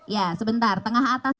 ya sebentar tengah atas